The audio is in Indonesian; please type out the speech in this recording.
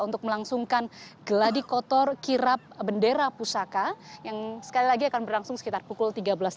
untuk melangsungkan geladi kotor kirap bendera pusaka yang sekali lagi akan berlangsung sekitar pukul tiga belas tiga puluh